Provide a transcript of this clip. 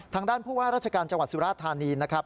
ทางด้านผู้ว่าราชการจังหวัดสุราธานีนะครับ